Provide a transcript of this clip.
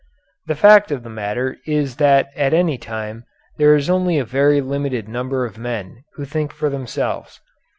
The fact of the matter is that at any time there is only a very limited number of men who think for themselves.